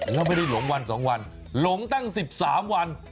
เราไม่ได้หลงวันสองวันหลงตั้งสิบสามวัน